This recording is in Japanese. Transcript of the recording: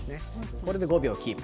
これで５秒キープ。